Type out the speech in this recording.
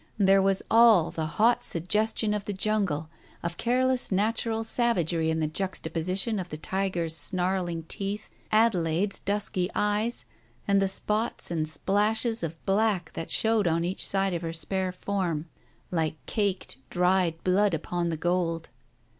There was all the hot suggestion of the jungle, of care less natural savagery in the juxtaposition of the tiger's snarling teeth, Adelaide's dusky eyes, and the spots and splashes of black that showed on each side of her spare form, like caked, dried blood upon the gold.